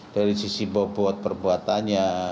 dari sisi bobot perbuatannya